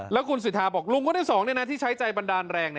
แล้วคุณสิทธาบอกลุงคนที่๒ที่ใช้ใจบันดาลแรง